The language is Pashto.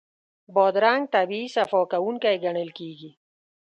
بادرنګ طبعي صفا کوونکی ګڼل کېږي.